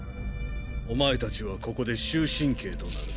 お前たちはここで終身刑となる。